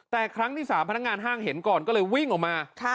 แต่ครั้งที่๓พนักงานห้างเห็นก่อนก็เลยวิ่งออกมา